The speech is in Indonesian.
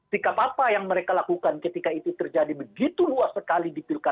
sikap apa yang mereka lakukan ketika itu terjadi begitu luas sekali di pilkada